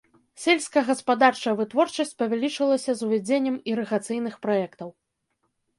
Сельскагаспадарчая вытворчасць павялічылася з увядзеннем ірыгацыйных праектаў.